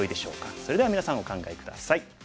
それではみなさんお考え下さい。